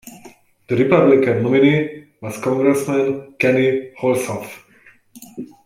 The Republican nominee was Congressman Kenny Hulshof.